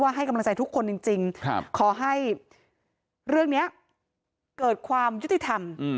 ให้กำลังใจทุกคนจริงขอให้เรื่องนี้เกิดความยุติธรรม